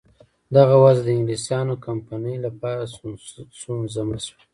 دغه وضع د انګلیسیانو کمپنۍ لپاره سونسزمه شوه.